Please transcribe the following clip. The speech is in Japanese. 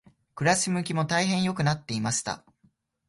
暮し向きも大変良くなっていました。